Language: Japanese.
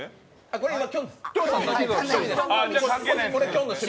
これはきょんです。